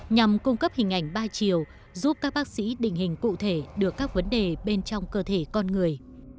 nhằm cung cấp hình ảnh ba chiều giúp các bác sĩ định hình cụ thể được các vấn đề bên trong cơ thể con người